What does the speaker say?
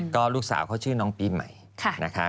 ก็ลูกสาวเขาชื่อน้องปีใหม่นะคะ